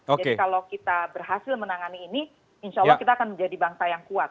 jadi kalau kita berhasil menangani ini insya allah kita akan menjadi bangsa yang kuat